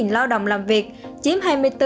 lao động làm việc chiếm hai mươi bốn ba